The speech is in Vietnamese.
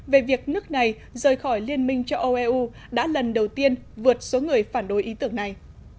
về việc nước này rời khỏi liên minh cho oeu đã lần đầu tiên vượt số người phản đối ý tưởng này